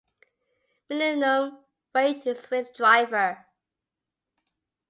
Minimum weight is with driver.